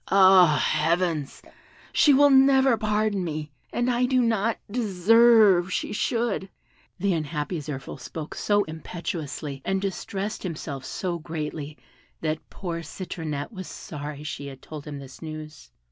Ah, heavens! she will never pardon me, and I do not deserve she should!" The unhappy Zirphil spoke so impetuously, and distressed himself so greatly, that poor Citronette was sorry she had told him this news.